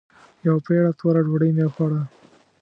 يوه پېړه توره ډوډۍ مې وخوړه.